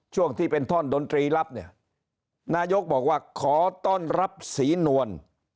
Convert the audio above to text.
ช่วงที่เป็นท่อนดนตรีรับเนี่ยนายกบอกว่าขอต้อนรับศรีนวล